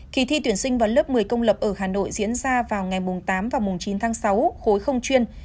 kỳ thi tuyển sinh vào lớp một mươi công lập ở hà nội diễn ra vào ngày tám và mùng chín tháng sáu khối không chuyên